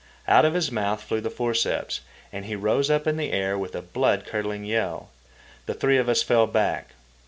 Out of his month flew the forceps, and he rose up in the air with a blood curdling yell. The three of us fell back.